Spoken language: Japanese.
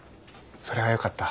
それはよかった。